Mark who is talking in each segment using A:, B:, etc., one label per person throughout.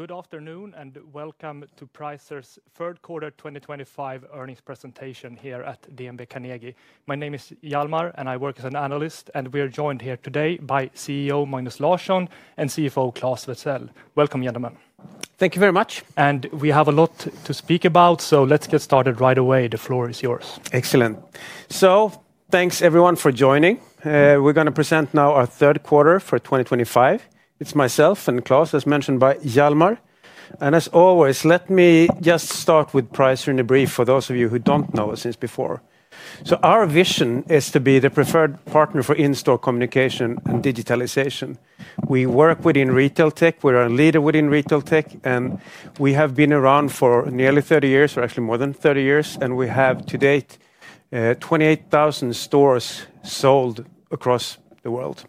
A: Good afternoon and welcome to Pricer's third quarter 2025 earnings presentation here at DNB Carnegie. My name is Hjalmar and I work as an Analyst, and we are joined here today by CEO Magnus Larsson and CFO Claes Wenthzel. Welcome, gentlemen.
B: Thank you very much.
A: We have a lot to speak about, so let's get started right away. The floor is yours.
B: Excellent. Thanks everyone for joining. We're going to present now our third quarter for 2025. It's myself and Claes, as mentioned by Hjalmar. As always, let me just start with Pricer in a brief for those of you who don't know us since before. Our vision is to be the preferred partner for in-store communication and digitalization. We work within retail tech. We're a leader within retail tech, and we have been around for nearly 30 years, or actually more than 30 years, and we have to date 28,000 stores sold across the world.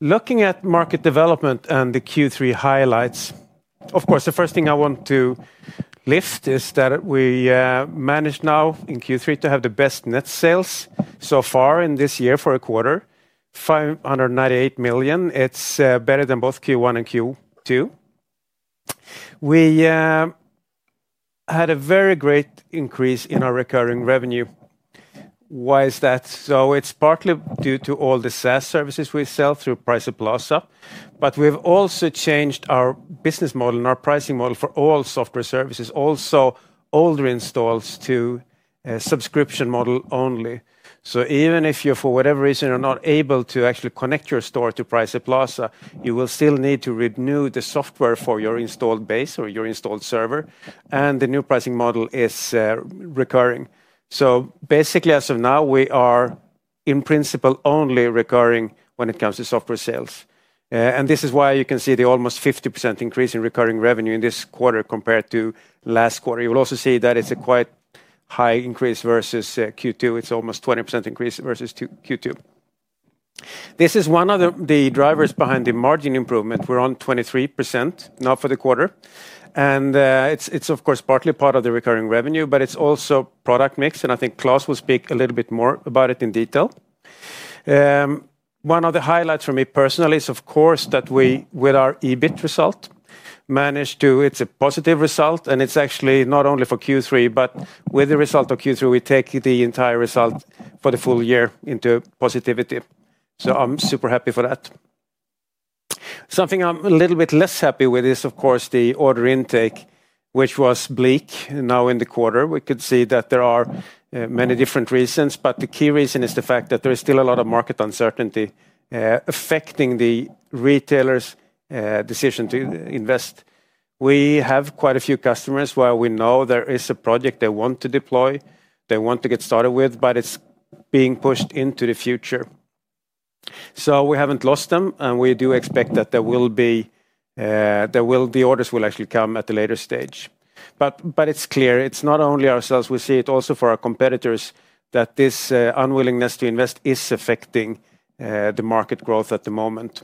B: Looking at market development and the Q3 highlights, the first thing I want to lift is that we managed now in Q3 to have the best net sales so far in this year for a quarter, $598 million. It's better than both Q1 and Q2. We had a very great increase in our recurring revenue. Why is that? It's partly due to all the SaaS services we sell through Pricer Plaza. We've also changed our business model and our pricing model for all software services, also older installs to a subscription model only. Even if you, for whatever reason, are not able to actually connect your store to Pricer Plaza, you will still need to renew the software for your installed base or your installed server, and the new pricing model is recurring. Basically, as of now, we are in principle only recurring when it comes to software sales. This is why you can see the almost 50% increase in recurring revenue in this quarter compared to last quarter. You will also see that it's a quite high increase versus Q2. It's almost a 20% increase versus Q2. This is one of the drivers behind the margin improvement. We're on 23% now for the quarter, and it's, of course, partly part of the recurring revenue, but it's also product mix, and I think Claes will speak a little bit more about it in detail. One of the highlights for me personally is, of course, that we, with our EBIT result, managed to, it's a positive result, and it's actually not only for Q3, but with the result of Q3, we take the entire result for the full year into positivity. I'm super happy for that. Something I'm a little bit less happy with is, of course, the order intake, which was bleak now in the quarter. We could see that there are many different reasons, but the key reason is the fact that there is still a lot of market uncertainty affecting the retailer's decision to invest. We have quite a few customers where we know there is a project they want to deploy, they want to get started with, but it's being pushed into the future. We haven't lost them, and we do expect that the orders will actually come at a later stage. It's clear, it's not only ourselves. We see it also for our competitors that this unwillingness to invest is affecting the market growth at the moment.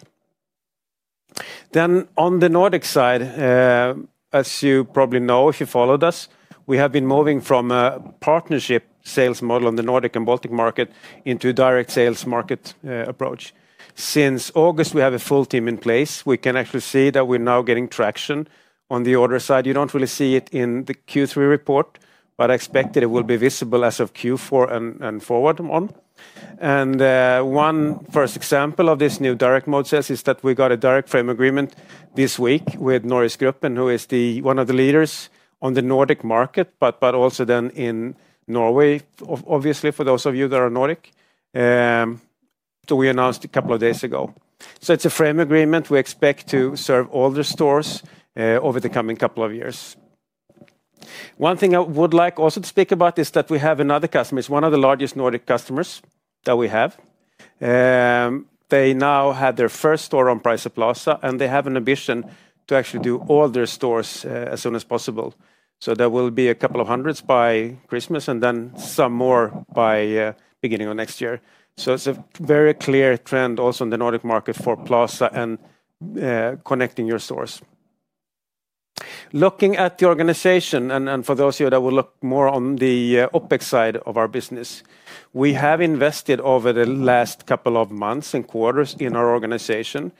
B: On the Nordic side, as you probably know if you followed us, we have been moving from a partnership sales model in the Nordic and Baltic market into a direct sales market approach. Since August, we have a full team in place. We can actually see that we're now getting traction on the order side. You don't really see it in the Q3 report, but I expect it will be visible as of Q4 and forward on. One first example of this new direct sales mode is that we got a direct frame agreement this week with NorgesGruppen, who is one of the leaders on the Nordic market, but also in Norway, obviously, for those of you that are Nordic. We announced a couple of days ago. It's a frame agreement we expect to serve older stores over the coming couple of years. One thing I would also like to speak about is that we have another customer. It's one of the largest Nordic customers that we have. They now had their first store on Pricer Plaza and they have an ambition to actually do all their stores as soon as possible. There will be a couple of hundreds by Christmas and then some more by the beginning of next year. It's a very clear trend also in the Nordic market for Plaza and connecting your stores. Looking at the organization, and for those of you that will look more on the OpEx side of our business, we have invested over the last couple of months and quarters in our organization.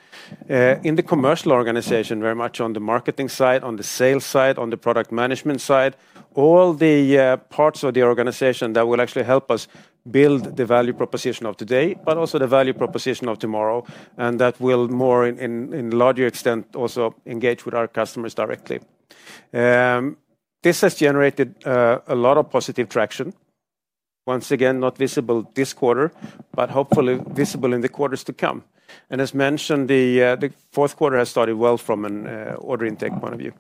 B: In the commercial organization, very much on the marketing side, on the sales side, on the product management side, all the parts of the organization that will actually help us build the value proposition of today, but also the value proposition of tomorrow, and that will to a larger extent also engage with our customers directly. This has generated a lot of positive traction. Once again, not visible this quarter, but hopefully visible in the quarters to come. As mentioned, the fourth quarter has started well from an order intake point of view.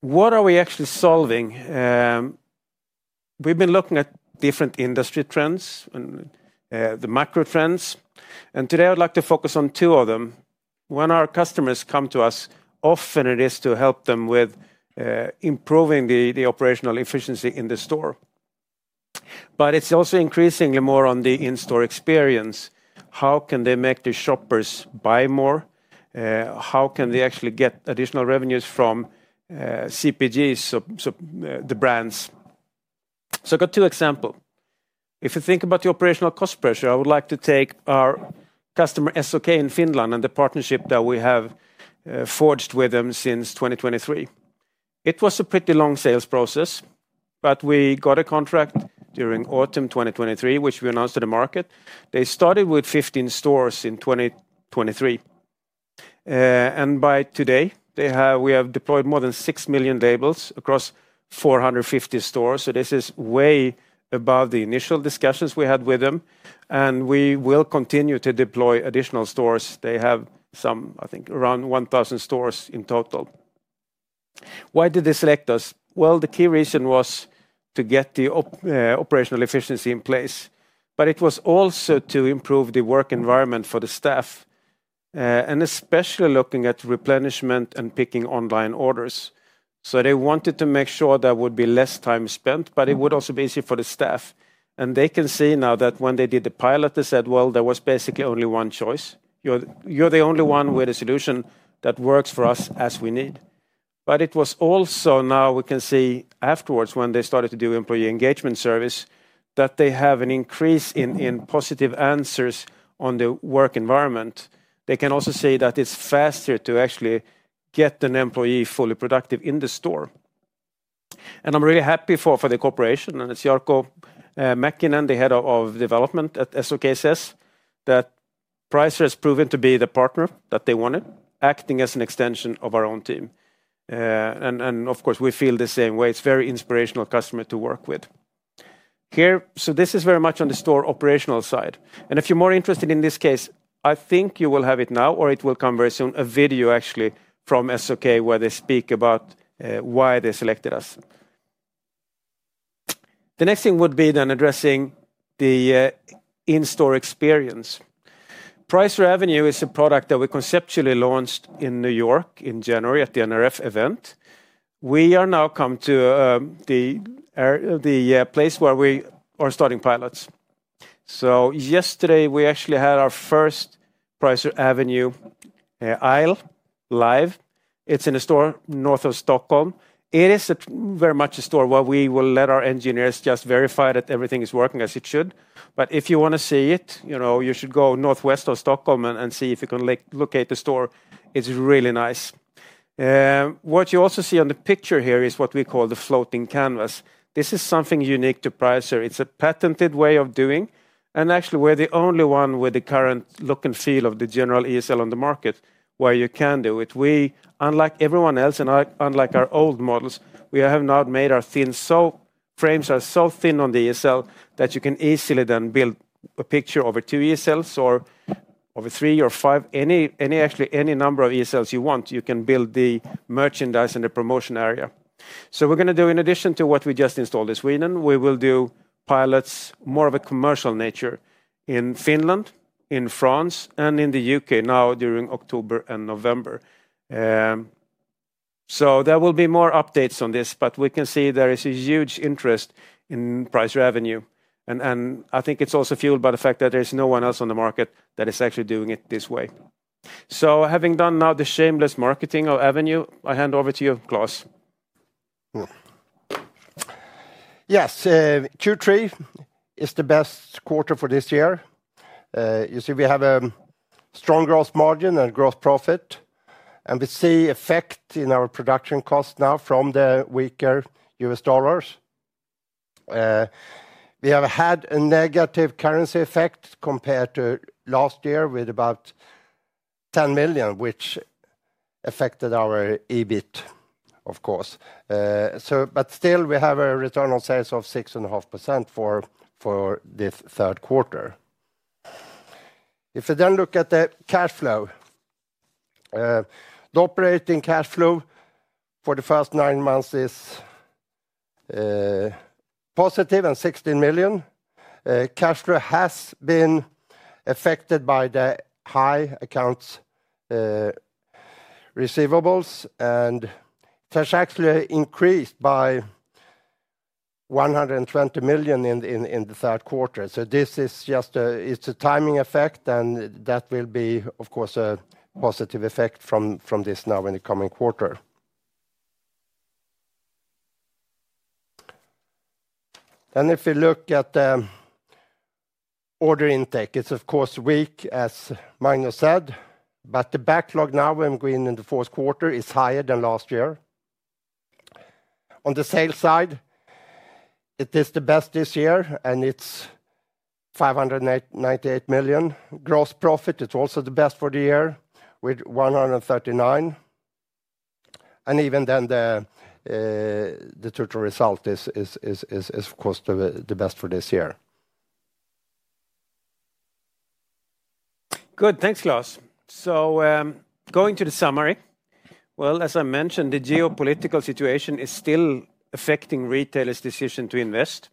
B: What are we actually solving? We've been looking at different industry trends and the macro trends, and today I'd like to focus on two of them. One, our customers come to us often, and it is to help them with improving the operational efficiency in the store. It's also increasingly more on the in-store experience. How can they make their shoppers buy more? How can they actually get additional revenues from CPGs, so the brands? I've got two examples. If you think about the operational cost pressure, I would like to take our customer SOK in Finland and the partnership that we have forged with them since 2023. It was a pretty long sales process, but we got a contract during autumn 2023, which we announced to the market. They started with 15 stores in 2023, and by today, we have deployed more than 6 million labels across 450 stores. This is way above the initial discussions we had with them, and we will continue to deploy additional stores. They have some, I think, around 1,000 stores in total. Why did they select us? The key reason was to get the operational efficiency in place, but it was also to improve the work environment for the staff, and especially looking at replenishment and picking online orders. They wanted to make sure there would be less time spent, but it would also be easy for the staff. They can see now that when they did the pilot, they said there was basically only one choice. You're the only one with a solution that works for us as we need. Now we can see afterwards when they started to do employee engagement service that they have an increase in positive answers on the work environment. They can also see that it's faster to actually get an employee fully productive in the store. I'm really happy for the cooperation, and it's Jarko Mäkkinen, the Head of Development at SOK, says that Pricer has proven to be the partner that they wanted, acting as an extension of our own team. Of course, we feel the same way. It's a very inspirational customer to work with here. This is very much on the store operational side. If you're more interested in this case, I think you will have it now, or it will come very soon, a video actually from SOK where they speak about why they selected us. The next thing would be then addressing the in-store experience. Pricer Avenue is a product that we conceptually launched in New York in January at the NRF event. We are now coming to the place where we are starting pilots. Yesterday we actually had our first Pricer Avenue aisle live. It's in a store north of Stockholm. It is very much a store where we will let our engineers just verify that everything is working as it should. If you want to see it, you should go northwest of Stockholm and see if you can locate the store. It's really nice. What you also see on the picture here is what we call the floating canvas. This is something unique to Pricer. It's a patented way of doing, and actually we're the only one with the current look and feel of the general ESL on the market where you can do it. We, unlike everyone else, and unlike our old models, have now made our thin frames. Our frames are so thin on the ESL that you can easily then build a picture over two ESLs, or over three, or five, actually any number of ESLs you want. You can build the merchandise in the promotion area. In addition to what we just installed in Sweden, we will do pilots more of a commercial nature in Finland, in France, and in the U.K. now during October and November. There will be more updates on this, but we can see there is a huge interest in Pricer Avenue, and I think it's also fueled by the fact that there is no one else on the market that is actually doing it this way. Having done now the shameless marketing of Avenue, I hand over to you, Claes.
C: Yes, Q3 is the best quarter for this year. You see, we have a strong gross margin and gross profit, and we see effect in our production cost now from the weaker U.S. dollars. We have had a negative currency effect compared to last year with about $10 million, which affected our EBIT, of course. Still, we have a return on sales of 6.5% for this third quarter. If we then look at the cash flow, the operating cash flow for the first nine months is positive and $16 million. Cash flow has been affected by the high accounts receivable, and it has actually increased by $120 million in the third quarter. This is just a timing effect, and that will be, of course, a positive effect from this now in the coming quarter. If we look at the order intake, it's, of course, weak, as Magnus said, but the backlog now, when we're going into the fourth quarter, is higher than last year. On the sales side, it is the best this year, and it's $598 million gross profit. It's also the best for the year with $139 million, and even then the total result is, of course, the best for this year.
B: Good, thanks, Claes. Going to the summary, as I mentioned, the geopolitical situation is still affecting retailers' decision to invest.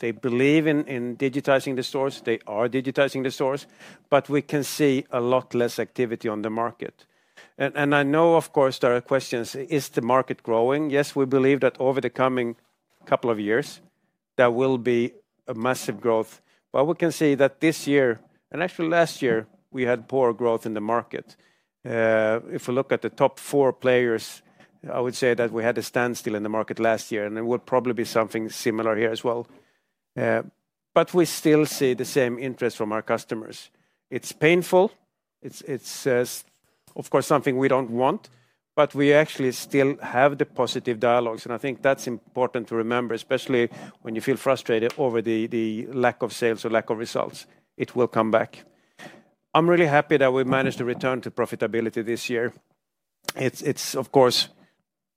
B: They believe in digitizing the stores. They are digitizing the stores, but we can see a lot less activity on the market. I know, of course, there are questions. Is the market growing? Yes, we believe that over the coming couple of years, there will be massive growth. We can see that this year, and actually last year, we had poor growth in the market. If we look at the top four players, I would say that we had a standstill in the market last year, and it will probably be something similar here as well. We still see the same interest from our customers. It's painful. It's, of course, something we don't want, but we actually still have the positive dialogues, and I think that's important to remember, especially when you feel frustrated over the lack of sales or lack of results. It will come back. I'm really happy that we managed to return to profitability this year. It's, of course,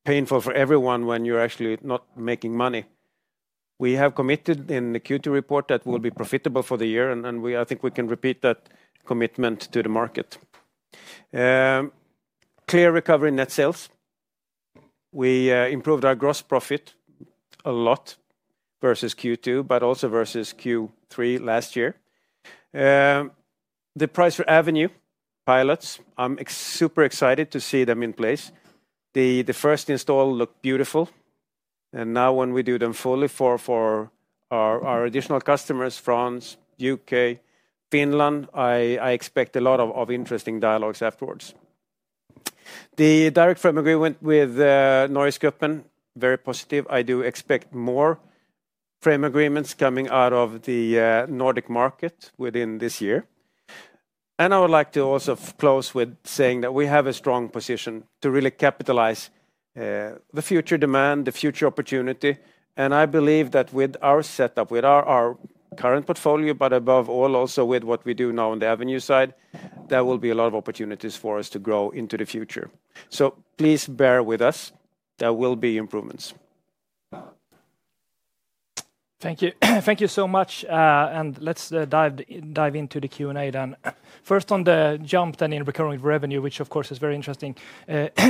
B: painful for everyone when you're actually not making money. We have committed in the Q2 report that we'll be profitable for the year, and I think we can repeat that commitment to the market. Clear recovery in net sales. We improved our gross profit a lot versus Q2, but also versus Q3 last year. The Pricer Avenue pilots, I'm super excited to see them in place. The first install looked beautiful, and now when we do them fully for our additional customers, France, the U.K., Finland, I expect a lot of interesting dialogues afterwards. The direct frame agreement with NorgesGruppen, very positive. I do expect more frame agreements coming out of the Nordic market within this year. I would like to also close with saying that we have a strong position to really capitalize the future demand, the future opportunity, and I believe that with our setup, with our current portfolio, but above all, also with what we do now on the Avenue side, there will be a lot of opportunities for us to grow into the future. Please bear with us. There will be improvements.
A: Thank you. Thank you so much. Let's dive into the Q&A then. First on the jump in recurring revenue, which of course is very interesting.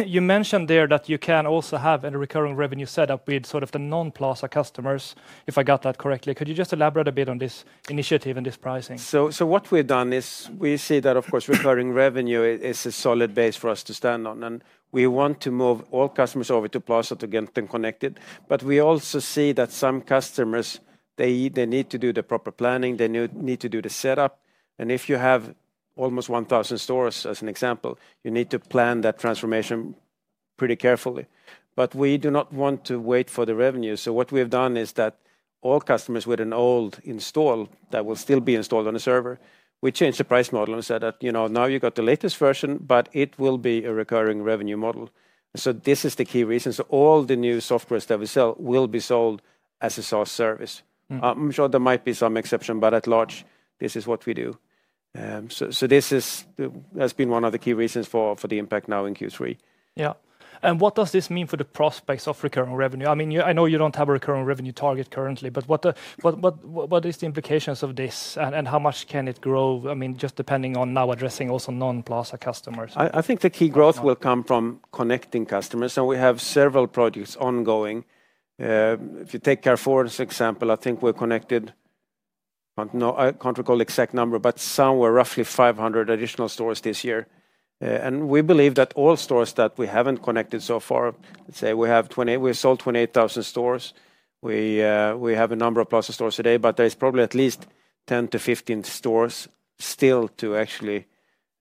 A: You mentioned that you can also have a recurring revenue setup with the non-Plaza customers, if I got that correctly. Could you just elaborate a bit on this initiative and this pricing?
B: What we've done is we see that, of course, recurring revenue is a solid base for us to stand on, and we want to move all customers over to Plaza to get them connected. We also see that some customers need to do the proper planning, they need to do the setup, and if you have almost 1,000 stores as an example, you need to plan that transformation pretty carefully. We do not want to wait for the revenue. What we have done is that all customers with an old install that will still be installed on a server, we changed the price model and said that, you know, now you've got the latest version, but it will be a recurring revenue model. This is the key reason. All the new software that we sell will be sold as a SaaS service. I'm sure there might be some exception, but at large, this is what we do. This has been one of the key reasons for the impact now in Q3.
A: What does this mean for the prospects of recurring revenue? I know you don't have a recurring revenue target currently, but what is the implication of this and how much can it grow? I mean, just depending on now addressing also non-Plaza customers.
B: I think the key growth will come from connecting customers, and we have several projects ongoing. If you take our fourth example, I think we're connected, I can't recall the exact number, but somewhere roughly 500 additional stores this year. We believe that all stores that we haven't connected so far, let's say we have 28, we sold 28,000 stores. We have a number of Plaza stores today, but there's probably at least 10-15 stores still to actually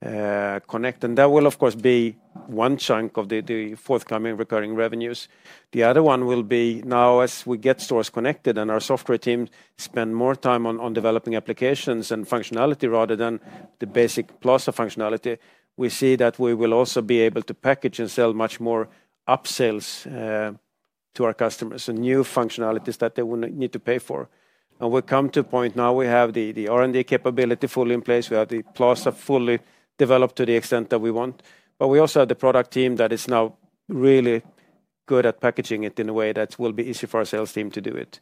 B: connect. That will, of course, be one chunk of the forthcoming recurring revenues. The other one will be now as we get stores connected and our software team spends more time on developing applications and functionality rather than the basic Plaza functionality. We see that we will also be able to package and sell much more upsales to our customers and new functionalities that they would need to pay for. We've come to a point now we have the R&D capability fully in place. We have the Plaza fully developed to the extent that we want. We also have the product team that is now really good at packaging it in a way that will be easy for our sales team to do it.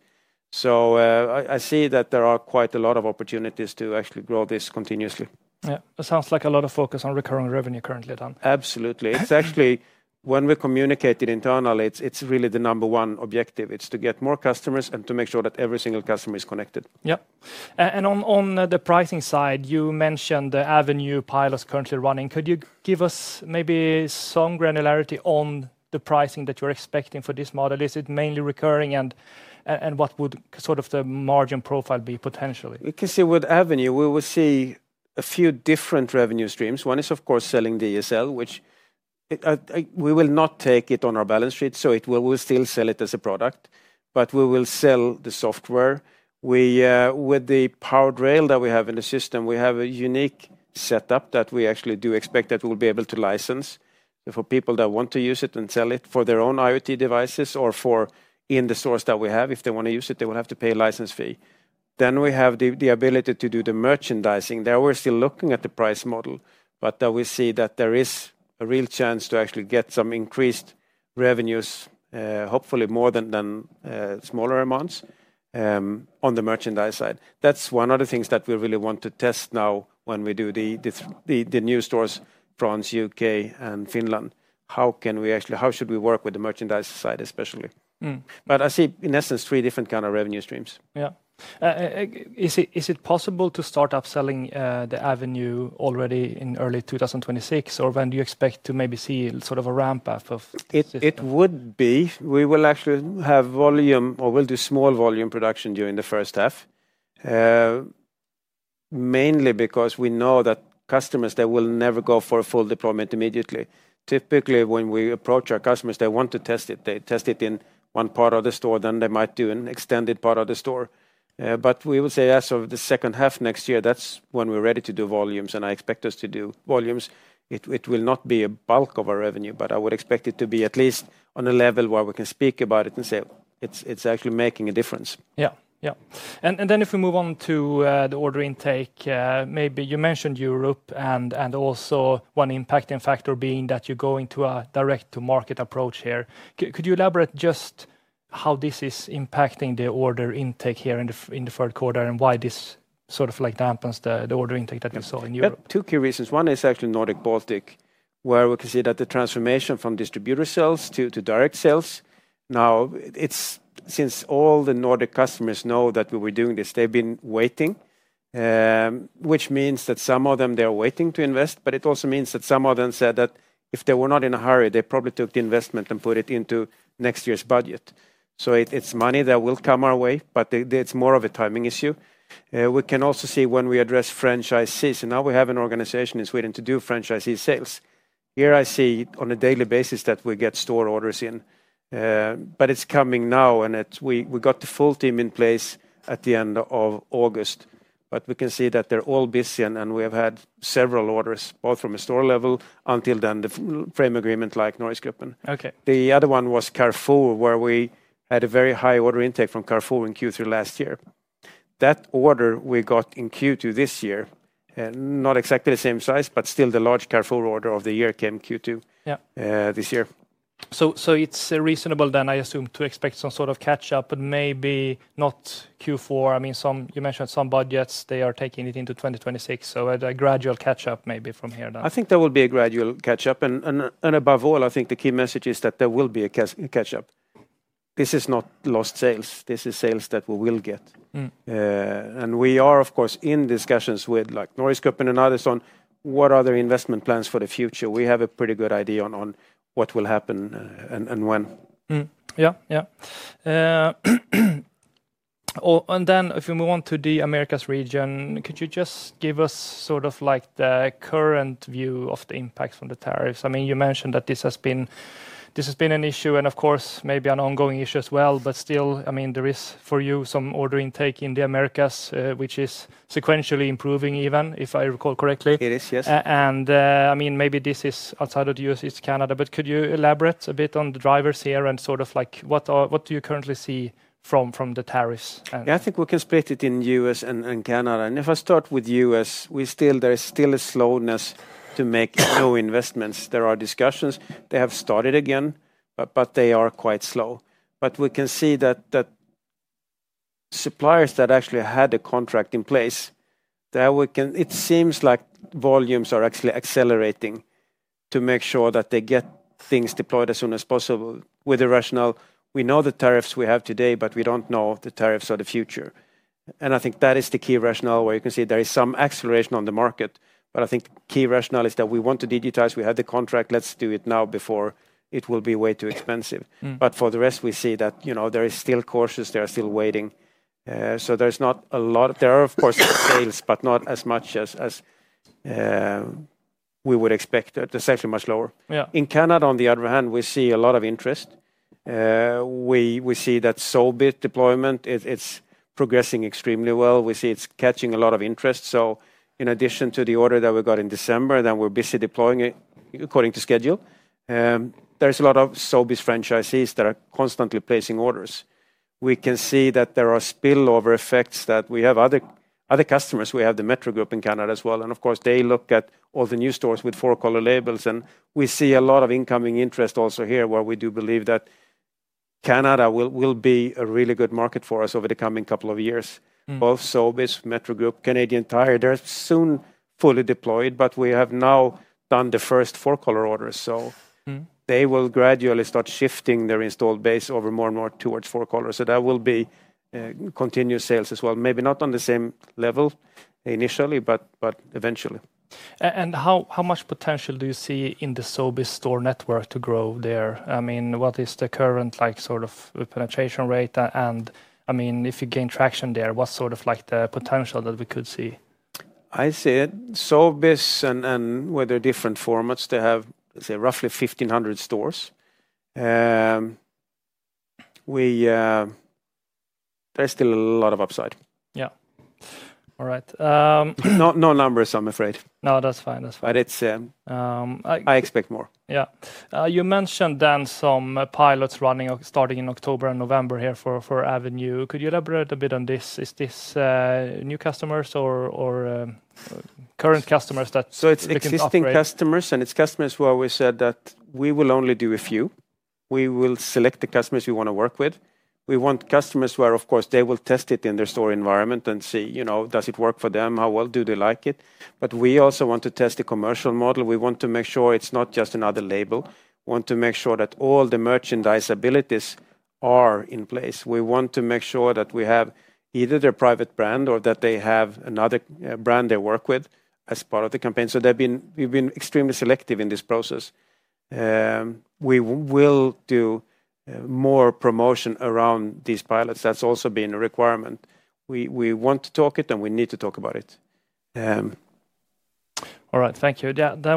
B: I see that there are quite a lot of opportunities to actually grow this continuously.
A: Yeah, it sounds like a lot of focus on recurring revenue currently then.
B: Absolutely. It's actually, when we communicate it internally, it's really the number one objective. It's to get more customers and to make sure that every single customer is connected.
A: On the pricing side, you mentioned the Avenue pilot is currently running. Could you give us maybe some granularity on the pricing that you're expecting for this model? Is it mainly recurring and what would sort of the margin profile be potentially?
B: You can see with Avenue, we will see a few different revenue streams. One is, of course, selling ESL, which we will not take on our balance sheet. We will still sell it as a product, but we will sell the software. With the powered rail that we have in the system, we have a unique setup that we actually do expect that we'll be able to license. For people that want to use it and sell it for their own IoT devices or for in the stores that we have, if they want to use it, they will have to pay a license fee. We have the ability to do the merchandising. There, we're still looking at the price model, but we see that there is a real chance to actually get some increased revenues, hopefully more than smaller amounts on the merchandise side. That's one of the things that we really want to test now when we do the new stores in France, U.K., and Finland. How can we actually, how should we work with the merchandise side especially? I see in essence three different kinds of revenue streams.
A: Is it possible to start upselling the Avenue already in early 2026, or when do you expect to maybe see sort of a ramp-up of?
B: We will actually have volume or we'll do small volume production during the first half, mainly because we know that customers, they will never go for a full deployment immediately. Typically, when we approach our customers, they want to test it. They test it in one part of the store, then they might do an extended part of the store. As of the second half next year, that's when we're ready to do volumes, and I expect us to do volumes. It will not be a bulk of our revenue, but I would expect it to be at least on a level where we can speak about it and say it's actually making a difference.
A: Yeah. If we move on to the order intake, you mentioned Europe and also one impacting factor being that you're going to a direct-to-market approach here. Could you elaborate just how this is impacting the order intake here in the third quarter and why this sort of dampens the order intake that you saw in Europe?
B: Two key reasons. One is actually Nordic-Baltic, where we can see that the transformation from distributor sales to direct sales. Now, since all the Nordic customers know that we were doing this, they've been waiting, which means that some of them, they're waiting to invest, but it also means that some of them said that if they were not in a hurry, they probably took the investment and put it into next year's budget. It's money that will come our way, but it's more of a timing issue. We can also see when we address franchisees. Now we have an organization in Sweden to do franchisee sales. Here, I see on a daily basis that we get store orders in, but it's coming now, and we got the full team in place at the end of August. We can see that they're all busy, and we have had several orders, both from a store level until then, the frame agreement like NorgesGruppen. The other one was Carrefour, where we had a very high order intake from Carrefour in Q3 last year. That order we got in Q2 this year, not exactly the same size, but still the large Carrefour order of the year came Q2 this year.
A: It is reasonable then, I assume, to expect some sort of catch-up, but maybe not Q4. I mean, you mentioned some budgets, they are taking it into 2026. A gradual catch-up maybe from here then.
B: I think there will be a gradual catch-up, and above all, I think the key message is that there will be a catch-up. This is not lost sales. This is sales that we will get. We are, of course, in discussions with NorgesGruppen and others on what are their investment plans for the future. We have a pretty good idea on what will happen and when.
A: Yeah, yeah. If we move on to the Americas region, could you just give us sort of like the current view of the impacts from the tariffs? I mean, you mentioned that this has been an issue, and of course, maybe an ongoing issue as well, but still, I mean, there is for you some order intake in the Americas, which is sequentially improving even, if I recall correctly.
B: It is, yes.
A: Maybe this is outside of the U.S., it's Canada, but could you elaborate a bit on the drivers here and what do you currently see from the tariffs?
B: Yeah, I think we can split it in the U.S. and Canada. If I start with the U.S., there is still a slowness to make new investments. There are discussions. They have started again, but they are quite slow. We can see that suppliers that actually had a contract in place, it seems like volumes are actually accelerating to make sure that they get things deployed as soon as possible with the rationale, we know the tariffs we have today, but we don't know the tariffs of the future. I think that is the key rationale where you can see there is some acceleration on the market. I think the key rationale is that we want to digitize. We have the contract. Let's do it now before it will be way too expensive. For the rest, we see that there are still customers that are still waiting. There are, of course, sales, but not as much as we would expect. It's actually much lower. In Canada, on the other hand, we see a lot of interest. We see that Sobeys deployment, it's progressing extremely well. We see it's catching a lot of interest. In addition to the order that we got in December, we're busy deploying it according to schedule. There's a lot of Sobeys franchisees that are constantly placing orders. We can see that there are spillover effects that we have other customers. We have the MetroGroup in Canada as well. Of course, they look at all the new stores with four-color labels. We see a lot of incoming interest also here where we do believe that Canada will be a really good market for us over the coming couple of years. Both Sobeys, MetroGroup, Canadian Tire, they're soon fully deployed, but we have now done the first four-color orders. They will gradually start shifting their installed base over more and more towards four-color. That will be continued sales as well, maybe not on the same level initially, but eventually.
A: How much potential do you see in the Sobeys store network to grow there? I mean, what is the current sort of penetration rate? If you gain traction there, what's sort of the potential that we could see?
B: I see it. Sobeys and whether different formats, they have roughly 1,500 stores. There's still a lot of upside.
A: All right.
B: No numbers, I'm afraid.
A: No, that's fine.
B: I expect more.
A: Yeah. You mentioned then some pilots running starting in October and November here for Avenue. Could you elaborate a bit on this? Is this new customers or current customers that?
B: It is existing customers and it is customers where we said that we will only do a few. We will select the customers we want to work with. We want customers where, of course, they will test it in their store environment and see, you know, does it work for them? How well do they like it? We also want to test the commercial model. We want to make sure it is not just another label. We want to make sure that all the merchandise abilities are in place. We want to make sure that we have either their private brand or that they have another brand they work with as part of the campaign. We have been extremely selective in this process. We will do more promotion around these pilots. That has also been a requirement. We want to talk it and we need to talk about it.
A: All right, thank you.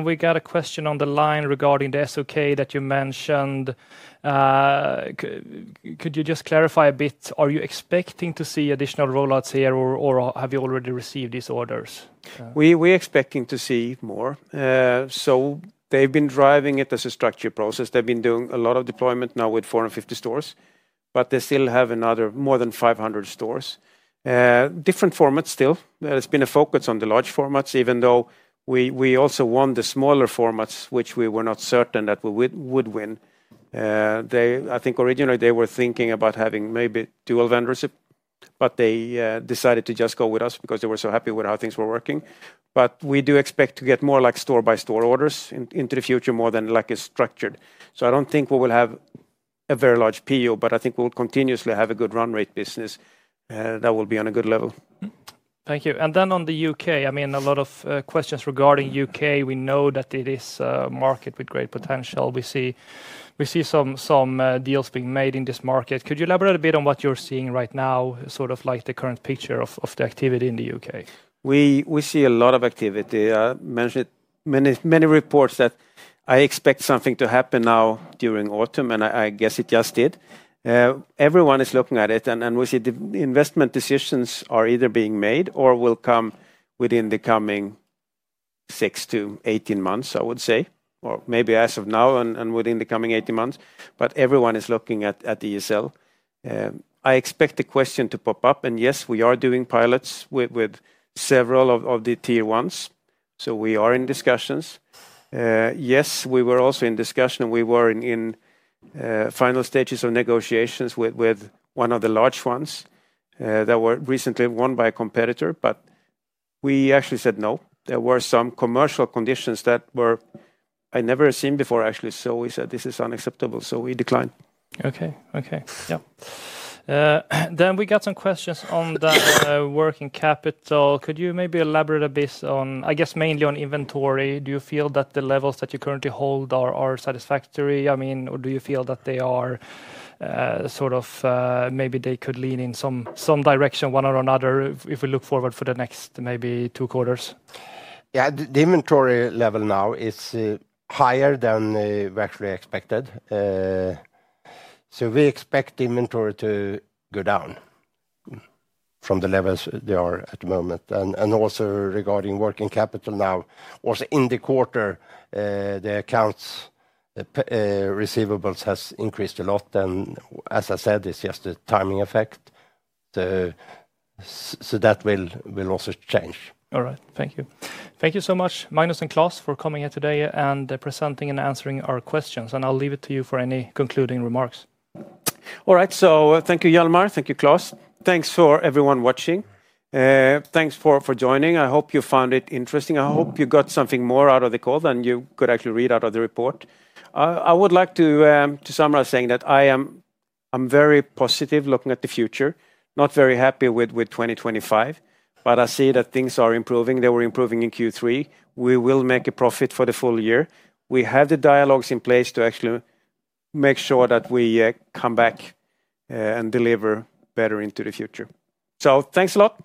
A: We got a question on the line regarding the SOK that you mentioned. Could you just clarify a bit? Are you expecting to see additional rollouts here or have you already received these orders?
B: We're expecting to see more. They've been driving it as a structured process. They've been doing a lot of deployment now with 450 stores, but they still have another more than 500 stores. Different formats still. There's been a focus on the large formats, even though we also won the smaller formats, which we were not certain that we would win. I think originally they were thinking about having maybe dual vendorship, but they decided to just go with us because they were so happy with how things were working. We do expect to get more like store-by-store orders into the future, more than like a structured. I don't think we will have a very large PO, but I think we'll continuously have a good run rate business that will be on a good level.
A: Thank you. On the U.K., a lot of questions regarding the U.K. We know that it is a market with great potential. We see some deals being made in this market. Could you elaborate a bit on what you're seeing right now, sort of like the current picture of the activity in the U.K.?
B: We see a lot of activity. I mentioned many reports that I expect something to happen now during autumn, and I guess it just did. Everyone is looking at it, and we see the investment decisions are either being made or will come within the coming 6 months-18 months, I would say, or maybe as of now and within the coming 18 months. Everyone is looking at the ESL. I expect the question to pop up, and yes, we are doing pilots with several of the tier ones. We are in discussions. Yes, we were also in discussion, and we were in final stages of negotiations with one of the large ones that were recently won by a competitor, but we actually said no. There were some commercial conditions that I have never seen before, actually. We said this is unacceptable, so we declined.
A: Okay, yeah. We got some questions on the working capital. Could you maybe elaborate a bit on, I guess, mainly on inventory? Do you feel that the levels that you currently hold are satisfactory? I mean, or do you feel that they are sort of maybe they could lean in some direction, one or another, if we look forward for the next maybe two quarters?
C: Yeah, the inventory level now is higher than we actually expected. We expect the inventory to go down from the levels they are at the moment. Also regarding working capital now, in the quarter, the accounts receivable have increased a lot. As I said, it's just a timing effect. That will also change.
A: All right, thank you. Thank you so much, Magnus and Claes, for coming here today and presenting and answering our questions. I'll leave it to you for any concluding remarks.
B: All right, so thank you, Hjalmar. Thank you, Claes. Thanks for everyone watching. Thanks for joining. I hope you found it interesting. I hope you got something more out of the call than you could actually read out of the report. I would like to summarize saying that I'm very positive looking at the future. Not very happy with 2025, but I see that things are improving. They were improving in Q3. We will make a profit for the full year. We have the dialogues in place to actually make sure that we come back and deliver better into the future. Thanks a lot.